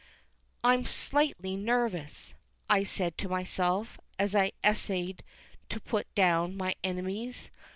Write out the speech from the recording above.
"I'm slightly nervous," I said to myself, as I essayed to put down my enemies.